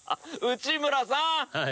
内村さん！